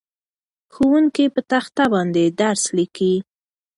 ښوونکی په تخته باندې درس لیکي.